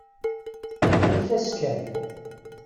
Anef-as kan.